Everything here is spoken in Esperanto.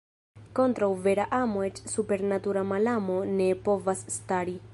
Kontraŭ vera amo eĉ supernatura malamo ne povas stari.